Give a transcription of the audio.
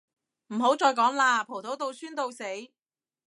唔好再講喇，葡萄到酸到死